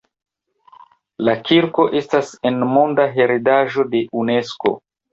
La kirko estas en Monda heredaĵo de Unesko.